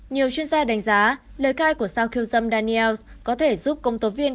nhiều chuyên gia đánh giá lời khai của sao khiêu dâm dannels có thể giúp công tố viên